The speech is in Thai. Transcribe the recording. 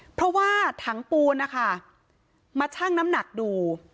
เพราะว่าถังปูนนะคะมาชั่งน้ำหนักดู